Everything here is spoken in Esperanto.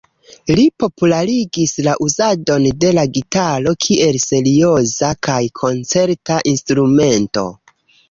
Li popularigis la uzadon de la gitaro kiel serioza kaj koncerta instrumento.